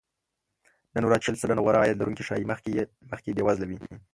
نن ورځ شل سلنه غوره عاید لرونکي ښايي مخکې بې وزله وي